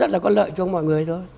rất là có lợi cho mọi người thôi